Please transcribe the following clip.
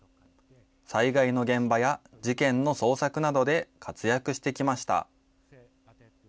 災害の現場や事件の捜索などで活躍してきました。